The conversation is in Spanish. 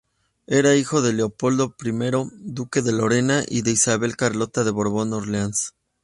Era hijo de Leopoldo I, duque de Lorena, y de Isabel Carlota de Borbón-Orleans.